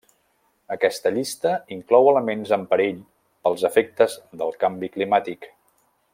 Aquesta llista inclou elements en perill pels efectes del canvi climàtic.